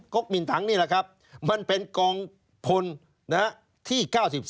กหมินถังนี่แหละครับมันเป็นกองพลที่๙๓